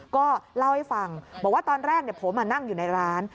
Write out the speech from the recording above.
ก็เล่าให้ฟังบอกว่าตอนแรกผมนั่งอยู่ในร้าน